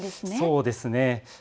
そうですね。